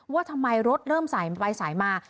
ว่าทำไมรถเริ่มสายไปสายมา